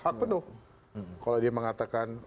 hak penuh kalau dia mengatakan